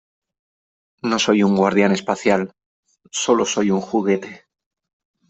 No soy un guardián espacial . Sólo soy un juguete .